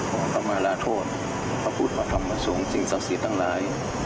ขอขมาราโทษพระพุทธสู่สีศาสตริย์ทั้งหลาย